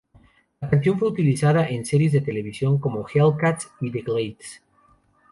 La canción fue utilizada en series de televisión como "Hellcats" y "The Glades".